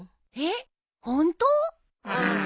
えっホント！？